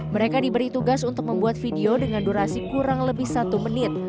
mereka diberi tugas untuk membuat video dengan durasi kurang lebih satu menit